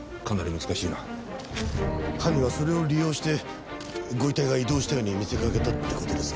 犯人はそれを利用してご遺体が移動したように見せかけたって事ですか？